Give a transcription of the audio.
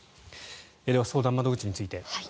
では、相談窓口について。